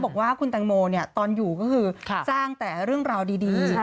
บอกว่าคุณแตงโมตอนอยู่ก็คือสร้างแต่เรื่องราวดี